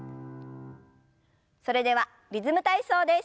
それでは「リズム体操」です。